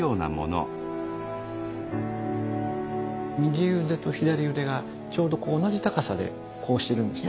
右腕と左腕がちょうど同じ高さでこうしてるんですね。